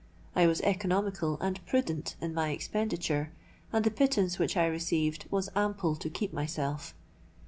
I was economical and prudent in my expenditure; and the pittance which I received was ample to keep myself.